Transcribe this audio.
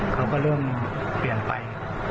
เขาก็เริ่มเปลี่ยนไป